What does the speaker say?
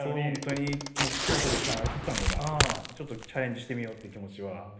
本当に恐怖でしかなかったのがちょっとチャレンジしてみようっていう気持ちは。